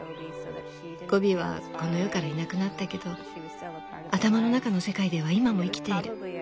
ゴビはこの世からいなくなったけど頭の中の世界では今も生きている。